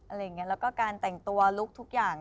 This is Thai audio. อะไรอย่างนี้แล้วก็การแต่งตัวลุคทุกอย่าง